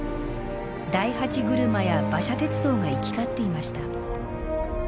大八車や馬車鉄道が行き交っていました。